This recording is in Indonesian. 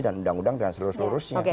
dan undang undang dengan selurus selurusnya